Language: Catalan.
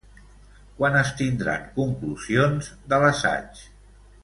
Quan es tindran conclusions de l'assaig?